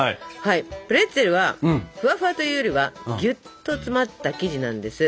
プレッツェルはふわふわというよりはギュッと詰まった生地なんです。